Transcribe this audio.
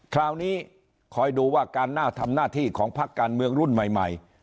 คราวนี้คอยดูว่าการน่าทำหน้าที่ของพักการเมืองรุ่นใหม่